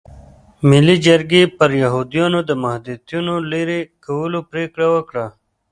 ملي جرګې پر یهودیانو د محدودیتونو لرې کولو پرېکړه وکړه.